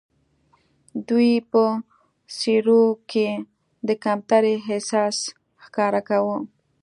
دوی په څېرو کې د کمترۍ احساس ښکاره کاوه.